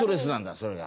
それが。